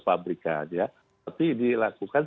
pabrikan ya tapi dilakukan